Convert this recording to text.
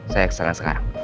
saya kesana sekarang